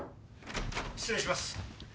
失礼します。